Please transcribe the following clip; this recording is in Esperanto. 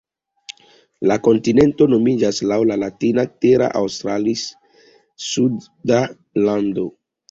La kontinento nomiĝas laŭ la latina "terra australis", suda lando.